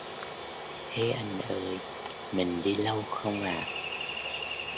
Thế anh ơi, mình đi lâu không ạ